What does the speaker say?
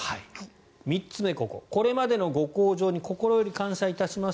３つ目、これまでのご厚情に心より感謝申し上げます